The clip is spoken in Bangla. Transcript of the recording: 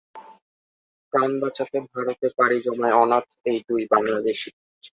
প্রাণ বাঁচাতে ভারতে পাড়ি জমায় অনাথ এই দুই বাংলাদেশি।